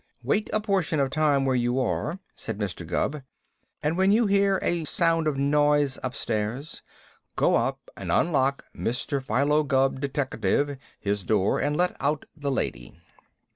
"Wait a portion of time where you are," said Mr. Gubb, "and when you hear a sound of noise upstairs, go up and unlock Mister Philo Gubb, Deteckative, his door, and let out the lady."